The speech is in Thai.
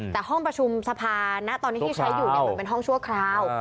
แต่ห้องประชุมสภาณตอนนี้ที่ใช้อยู่มันเป็นห้องชั่วคราว